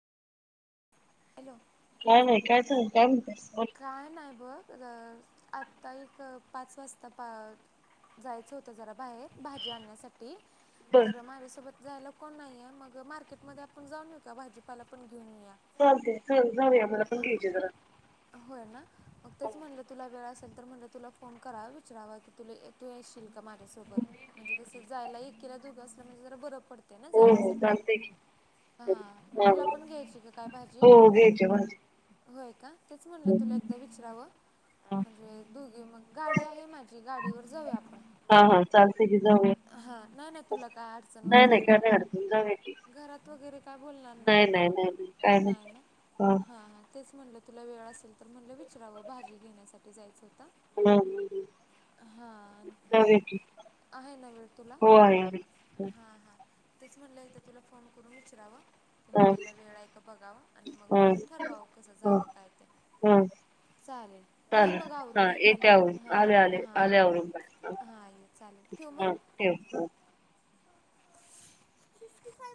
Hello काय नइ काय चाल काय म्हणताय आता इथ पाच वासता पा जायचं होतं जरा भाहेर भाजी आण्यासाठी बर तर माझ्यासोबत जायला क कोण नाइये मग मार्केटमध्ये आपण जाऊन येऊ का भाजीपाला पण घेऊन येउया चालतय चल जाउया मला पण घ्यायचीय जरा होय ना मग तेच म्हणलं तुला वेळ असेल तर तुला फोन कराव विचारवा की तुले तू येशील का मज्यासोबत म्हण्जे कस जायला एकिला दुगी असलं म्हणजे जरा बरतय पडतय ना हो हो जाण्यासाठी चालते की हा तुला पण घ्यायची का? काय भाजी हो घ्यायचीय मला होय का तेच म्हणलं तुला एकदा विचरावं हा म्हणजे दुगी मग गाडी आहे माजी गाडीवर जाऊया आपण होय चालतय की जा हा नाय ना तुला काय आडचण नाही वेगेरे नाही काय नाही अडचण जाऊया की येनार घरात वगैरे काय बोलणार नाईत नाही ना? नाही नाही नाही काय नाई नाही ना हा हा तेच म्हणलं तुला वेळ असेल तर म्हणल विचरावं भाजी घेण्यासाठी जायचं होतं हम् हां जाउया की आहे ना वेळ तुला हो आहे आहे. हा हा तेच म्हणलं एकदा तुला फोन करून विचारवा ते हा म्हलंल हीला वेळ हाय का बघाव आणि मग हा म्हणलं ठरवावं कसं हा जावं काय ते हा चालेल ये चालेल मग हा आवरून ये येते खाली आवरून हा आले आले हा आले आवरून बाय हा ये चालेल ठेउ म हा ठेव की